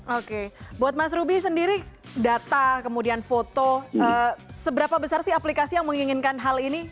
oke buat mas ruby sendiri data kemudian foto seberapa besar sih aplikasi yang menginginkan hal ini